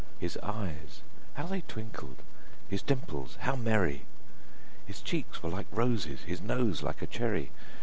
His eyes how they twinkled! his dimples how merry! His cheeks were like roses, his nose like a cherry!